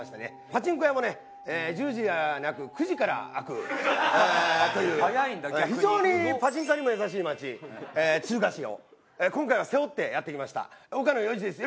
パチンコ屋もね１０時じゃなく９時から開くという非常にパチンカーにも優しい町敦賀市を今回は背負ってやって来ました岡野陽一です。